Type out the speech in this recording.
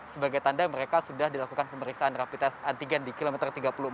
sebagai tanda mereka sudah dilakukan pemeriksaan rapid test antigen di kilometer tiga puluh empat